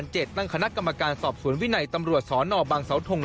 ใช่มันอันตรายจริง